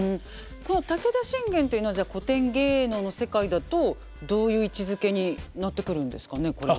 この武田信玄というのはじゃあ古典芸能の世界だとどういう位置づけになってくるんですかねこれは。